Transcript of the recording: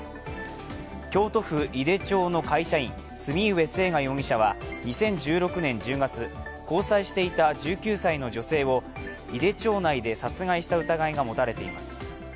京都府井手町の会社員、末海征河容疑者は２０１６年１０月、交際していた１９歳の女性を井手町内で殺害した疑いが持たれています。